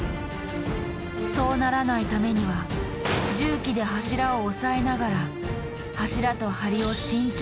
そうならないためには重機で柱をおさえながら柱と梁を慎重に切断。